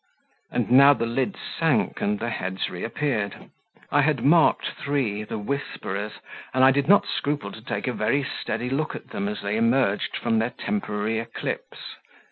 And now the lids sank and the heads reappeared; I had marked three, the whisperers, and I did not scruple to take a very steady look at them as they emerged from their temporary eclipse.